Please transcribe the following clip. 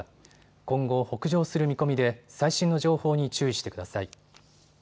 今後、北上する見込みで最新の情報に注意してください。